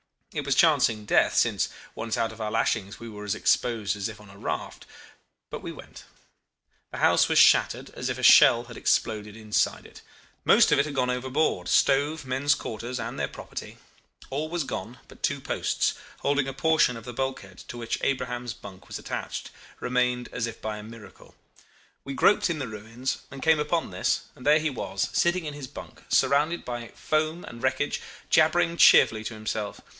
It was chancing death, since once out of our lashings we were as exposed as if on a raft. But we went. The house was shattered as if a shell had exploded inside. Most of it had gone overboard stove, men's quarters, and their property, all was gone; but two posts, holding a portion of the bulkhead to which Abraham's bunk was attached, remained as if by a miracle. We groped in the ruins and came upon this, and there he was, sitting in his bunk, surrounded by foam and wreckage, jabbering cheerfully to himself.